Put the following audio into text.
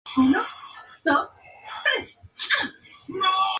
De familia acomodada, Manuel es un hombre de talante liberal, de ideas propias.